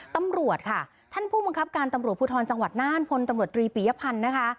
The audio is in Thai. ตำรวจค่ะท่านผู้บังคับการตำรวจภูทรจังหวัดน่านพลตำรวจรีปียพันธ์นะคะ